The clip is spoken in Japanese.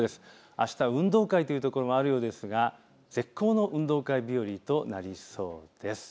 あしたは運動会という所もあるようですが絶好の運動会日和となりそうです。